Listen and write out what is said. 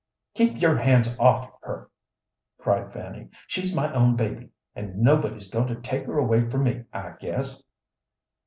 "Keep your hands off her!" cried Fanny. "She's my own baby, and nobody's goin' to take her away from me, I guess."